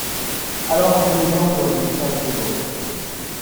Alors vous allez bien aujourd’hui, car il fait beau.